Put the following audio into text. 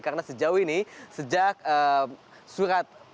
karena sejauh ini sejak surat kepolisian